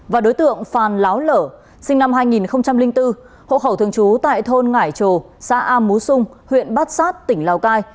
và đối tượng phan láo lở sinh năm hai nghìn bốn hộ khẩu thường chú tại thôn ngải trồ xã am mú sung huyện bát sát tỉnh lào cai